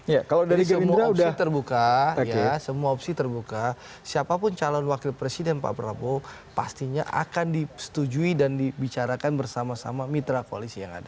jadi semua opsi terbuka siapapun calon wakil presiden pak prabowo pastinya akan disetujui dan dibicarakan bersama sama mitra koalisi yang ada